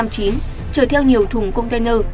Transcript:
chở theo nhiều thùng container